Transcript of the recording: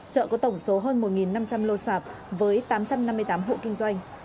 chợ có tổng số hơn một năm trăm linh lô sạp với tám trăm năm mươi tám hộ kinh doanh